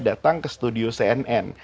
datang ke studio cnn